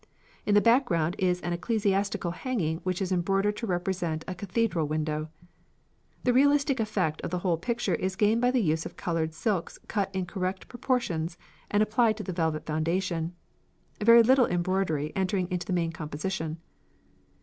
In the background is an ecclesiastical hanging which is embroidered to represent a cathedral window. The realistic effect of the whole picture is gained by the use of coloured silks cut in correct proportions and applied to the velvet foundation; very little embroidery entering into the main composition.